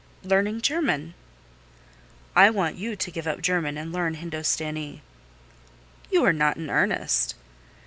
"Learning German." "I want you to give up German and learn Hindostanee." "You are not in earnest?"